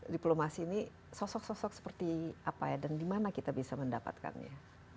diplomasi ini sosok sosok seperti apa ya dan dimana kita bisa mendapatkannya